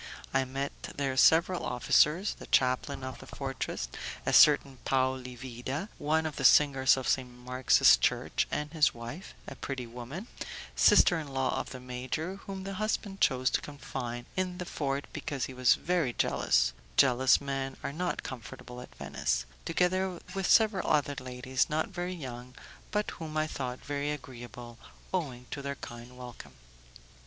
I met there several officers, the chaplain of the fortress, a certain Paoli Vida, one of the singers of St. Mark's Church, and his wife, a pretty woman, sister in law of the major, whom the husband chose to confine in the fort because he was very jealous (jealous men are not comfortable at Venice), together with several other ladies, not very young, but whom I thought very agreeable, owing to their kind welcome.